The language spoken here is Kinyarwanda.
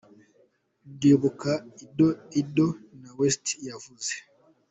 "Ndibuka ido n'ido," ni West yavuze.